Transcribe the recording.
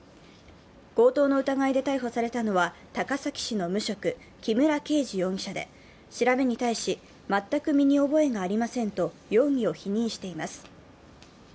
強盗の疑いで逮捕されたのは高崎市の無職、木村恵治容疑者で調べに対し全く身に覚えがありませんと容疑を否認しています。